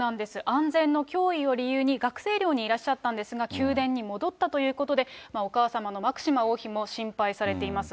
安全の脅威を理由に、学生寮にいらっしゃったんですが、宮殿に戻ったということで、お母様のマクシマ王妃も心配されています。